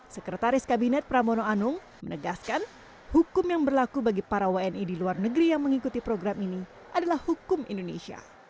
sekretaris kabinet pramono anung menegaskan hukum yang berlaku bagi para wni di luar negeri yang mengikuti program ini adalah hukum indonesia